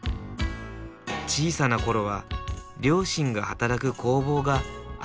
小さな頃は両親が働く工房が遊び場だった。